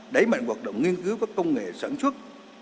đẩy mạnh hoạt động nghiên cứu các công nghệ sản xuất